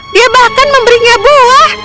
dia bahkan memberinya buah